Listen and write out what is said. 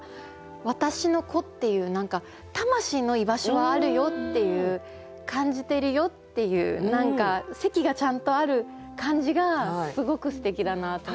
「わたしの子」っていう魂の居場所はあるよっていう感じてるよっていう何か席がちゃんとある感じがすごくすてきだなと思って。